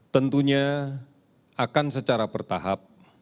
tentunya akan secara bertahap